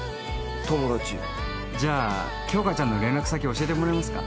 友達じゃあ杏花ちゃんの連絡先教えてもらえますか？